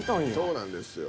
そうなんですよ。